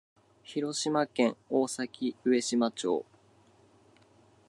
広島県大崎上島町